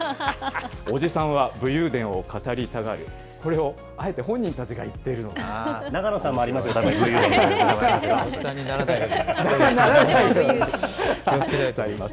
おじさんは武勇伝を語りたがる、これをあえて本人たちが言ってい永野さんもありますよ、たぶ比較にならないです。